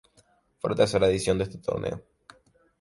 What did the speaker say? Fue la tercera edición de este torneo.